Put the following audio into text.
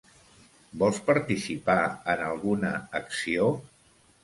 Vols participar en alguna acció?